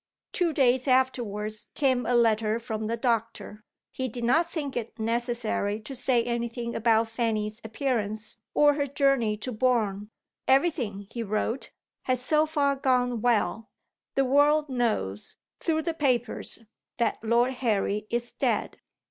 Two days afterwards came a letter from the doctor. He did not think it necessary to say anything about Fanny's appearance or her journey to Borne. "Everything," he wrote, "has so far gone well. The world knows, through the papers, that Lord Harry is dead.